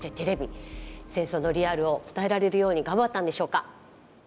戦争のリアルを伝えられるように頑張ったんでしょうか？